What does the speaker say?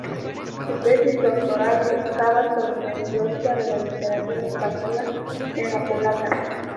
Su tesis doctoral versaba sobre la influencia de la literatura española en la polaca.